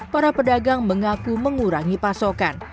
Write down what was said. para pedagang mengaku mengurangi pasokan